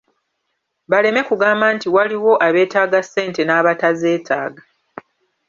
Baleme kugamba nti waliwo abeetaaga ssente n'abatazeetaaga.